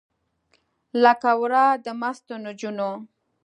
لکه ورا د مستو نجونو